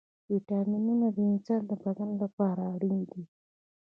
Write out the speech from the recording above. ويټامينونه د انسان د بدن لپاره اړين دي.